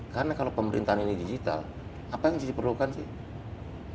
karena kalau pemerintahan ini digital apa yang disuruhkan sih